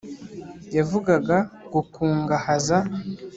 yavugaga gukungahaza.